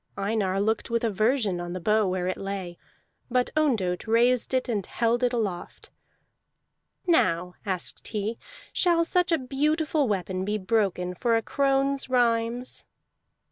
Einar looked with aversion on the bow where it lay, but Ondott raised it and held it aloft. "Now," asked he, "shall such a beautiful weapon be broken for a crone's rhymes?"